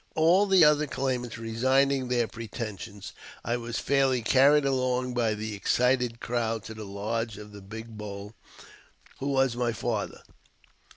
JAMES P. BECKWOVBTH, 133 All the other claimants resigning their pretensions, I was fairly carried along by the excited crowd to the lodge of the *' Big Bowl," who was my father.